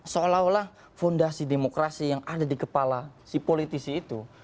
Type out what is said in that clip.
seolah olah fondasi demokrasi yang ada di kepala si politisi itu